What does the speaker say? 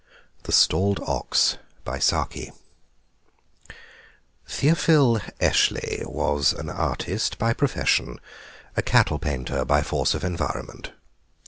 THE STALLED OX Theophil Eshley was an artist by profession, a cattle painter by force of environment.